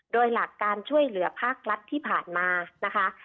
โดยหลักการช่วยเหลือภาครัฐที่ผ่านมานะคะ